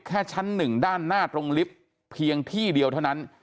แค่ชั้นหนึ่งด้านหน้าตรงลิฟต์เพียงที่เดียวเท่านั้น